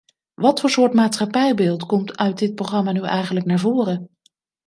Wat voor soort maatschappijbeeld komt uit dit programma nu eigenlijk naar voren?